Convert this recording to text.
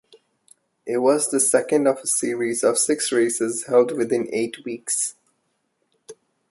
It was the second of a series of six races held within eight weeks.